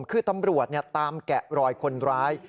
คือตำรวจตามแกะรอยคนร้าย